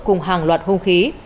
cùng hàng loạt hung khí